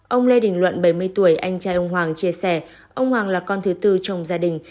ông lê đình luận bảy mươi tuổi anh trai ông hoàng chia sẻ ông hoàng là con thứ tư trong gia đình